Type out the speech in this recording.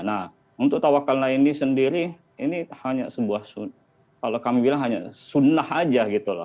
nah untuk tawakal naindi sendiri ini hanya sebuah kalau kami bilang hanya sunnah aja gitu loh